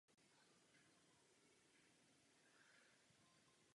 V tento den se však slouží jiné druhy bohoslužeb.